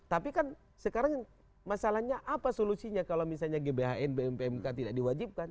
tapi kan sekarang masalahnya apa solusinya kalau misalnya gbhn bmk tidak diwajibkan